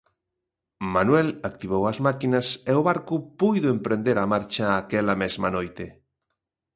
Manuel activou as máquinas e o barco puido emprender a marcha aquela mesma noite.